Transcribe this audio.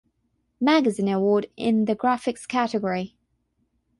Magazine Award in the Graphics category.